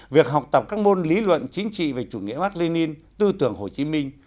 việc học tập các môn lý luận chính trị về chủ nghĩa mạc lê ninh tư tưởng hồ chí minh